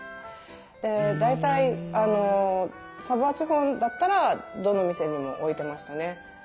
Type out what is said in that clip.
で大体サヴォワ地方だったらどの店にも置いてましたね。